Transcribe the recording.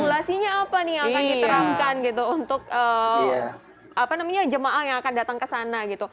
regulasinya apa nih yang akan diterapkan gitu untuk jemaah yang akan datang ke sana gitu